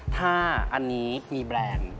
ถ้าอันนี้มีแบรนด์